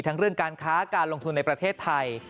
เรื่องการค้าการลงทุนในประเทศไทย